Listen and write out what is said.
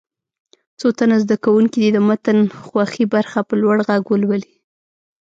څو تنه زده کوونکي دې د متن خوښې برخه په لوړ غږ ولولي.